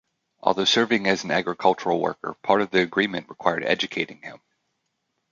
Although serving as an agricultural worker, part of the agreement required educating him.